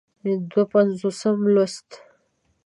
دوه پينځوسم لوست